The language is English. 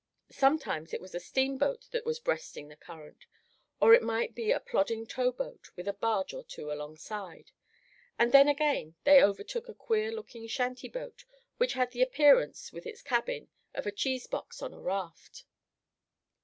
Sometimes it was a steamboat that was breasting the current; or it might be a plodding towboat, with a barge or two alongside. And then again they overtook a queer looking shantyboat, which had the appearance, with its cabin, of a cheese box on a raft.